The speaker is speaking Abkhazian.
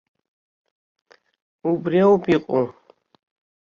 Убри ауп иҟоу!